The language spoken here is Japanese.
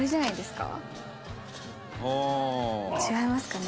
違いますかね？